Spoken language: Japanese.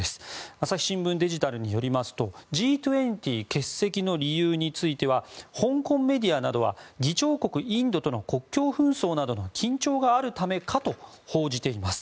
朝日新聞デジタルによりますとＧ２０欠席の理由については香港メディアなどは議長国インドとの国境紛争などの緊張があるためかと報じています。